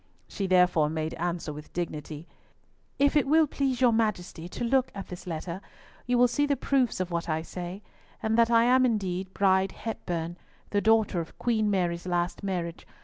She therefore made answer with dignity, "If it will please your Majesty to look at this letter, you will see the proofs of what I say, and that I am indeed Bride Hepburn, the daughter of Queen Mary's last marriage.